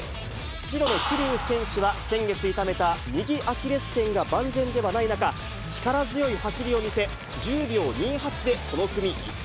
白の桐生選手は、先月、痛めた右アキレスけんが万全ではない中、力強い走りを見せ、１０秒２８で、この組１着。